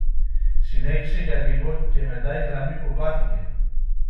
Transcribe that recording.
Συνέχισε για λίγο και μετά η γραμμή βουβάθηκε